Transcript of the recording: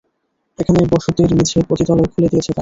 এখানে বসতির মিঝে পতিতালয় খুলে দিয়েছে তারা।